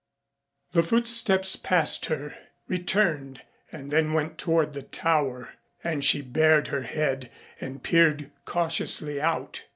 The footsteps passed her, returned and then went toward the Tower and she bared her head and peered cautiously out.